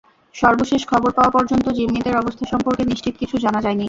সর্বশেষ খবর পাওয়া পর্যন্ত জিম্মিদের অবস্থা সম্পর্কে নিশ্চিত কিছু জানা যায়নি।